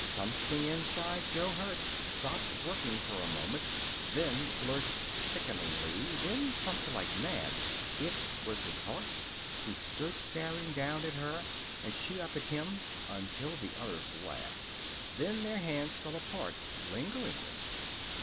Something inside Jo Hertz stopped working for a moment, then lurched sickeningly, then thumped like mad. It was his heart. He stood staring down at her, and she up at him, until the others laughed. Then their hands fell apart, lingeringly.